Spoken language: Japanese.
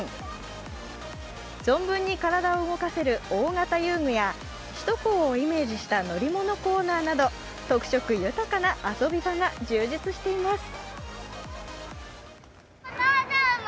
存分に体を動かせる大型遊具や、首都高をイメージした乗り物コーナーなど特色豊かな遊び場が充実しています。